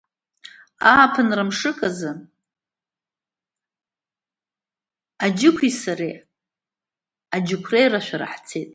Ааԥынра мшык азы Аџьықәи сареи аџьықәреи рашәара ҳцеит.